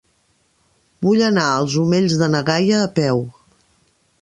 Vull anar als Omells de na Gaia a peu.